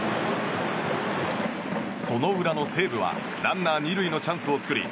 その裏の西武はランナー２塁のチャンスを作り